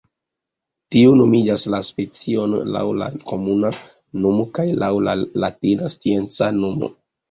Tio nomigas la specion laŭ la komuna nomo kaj laŭ la latina scienca nomo.